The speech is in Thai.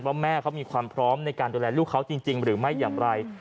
แม่เขามีความพร้อมในการดูแลลูกเขาจริงหรือไม่อย่างไร